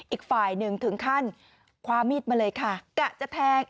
อีกฝ่ายหนึ่งถึงขั้นคว้ามีดมาเลยค่ะกะจะแทง